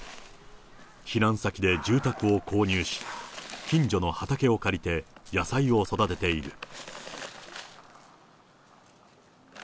避難先で住宅を購入し、近所の畑を借りて、野菜を育てている。